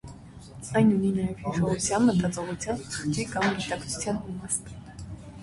Այն ունի նաև հիշողության, մտածողության, խղճի կամ գիտակցության իմաստ։